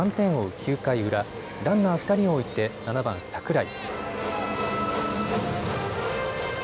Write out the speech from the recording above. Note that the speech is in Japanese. ９回裏、ランナー２人を置いて７番・櫻井。